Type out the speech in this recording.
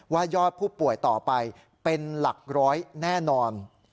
ยอดผู้ป่วยต่อไปเป็นหลักร้อยแน่นอน